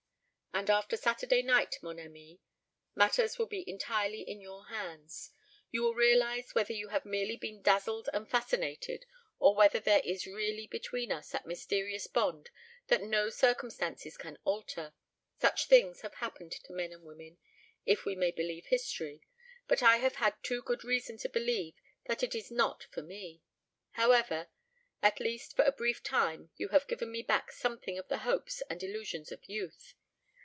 "And after Saturday night, mon ami, matters will be entirely in your hands. You will realize whether you have merely been dazzled and fascinated or whether there is really between us that mysterious bond that no circumstances can alter. Such things have happened to men and women if we may believe history, but I have had too good reason to believe that it is not for me. However at least for a brief time you have given me back something of the hopes and illusions of youth.